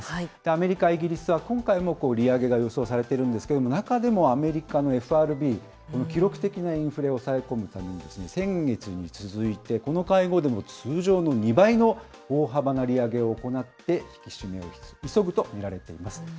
アメリカ、イギリスは今回も利上げが予想されているんですけれども、中でもアメリカのＦＲＢ、この記録的なインフレを抑え込むために、先月に続いて、この会合でも通常の２倍の大幅な利上げを行って引き締めを急ぐと見られています。